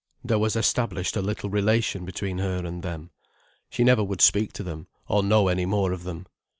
There was established a little relation between her and them. She never would speak to them or know any more of them.